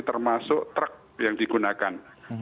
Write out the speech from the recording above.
termasuk truk yang digunakan